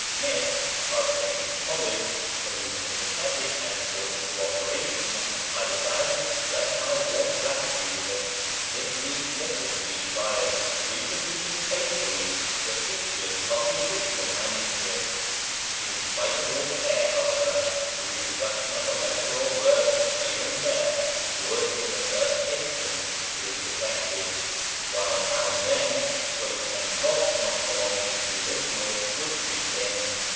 Dew Smith of Trinity College, for whose sympathetic and cordial co operation I desire to express my warm gratitude, this leaves little to be desired, reproducing faithfully the features of the original MS. In spite of all care, however, the reproduction of a letter or word here and there would in the first instance prove defective, while now and then points and dots not belonging to the original would creep in.